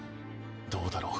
どうだろう。